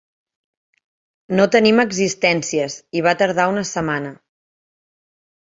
No tenim existències i va tardar una setmana.